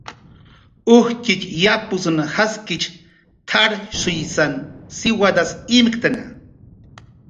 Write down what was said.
"Ujtxitx yapusn jaskich t""arshuysan siwadas imktna"